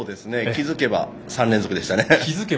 気付けば３連続でしたね。